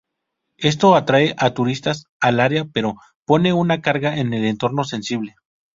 Esto atrae a turistas al área pero pone una carga en el entorno sensible.